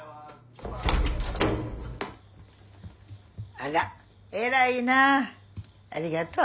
あら偉いなあありがとう。